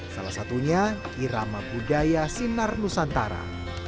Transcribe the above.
salah satunya irama budaya sinar nusantara